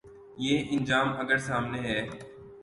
یہ انجام اگر سامنے ہے۔